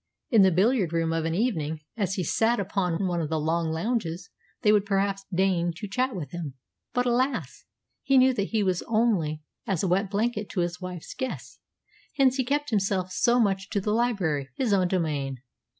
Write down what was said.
In the billiard room of an evening, as he sat upon one of the long lounges, they would perhaps deign to chat with him; but, alas! he knew that he was only as a wet blanket to his wife's guests, hence he kept himself so much to the library his own domain.